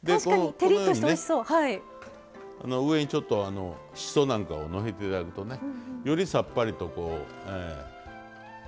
このようにね上にちょっとしそなんかをのせて頂くとねよりさっぱりとこう。